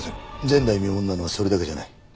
前代未聞なのはそれだけじゃない。